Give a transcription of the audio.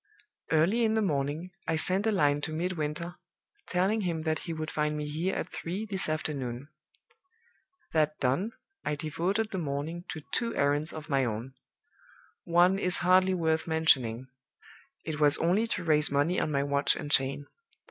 Early in the morning I sent a line to Midwinter, telling him that he would find me here at three this afternoon. That done, I devoted the morning to two errands of my own. One is hardly worth mentioning it was only to raise money on my watch and chain.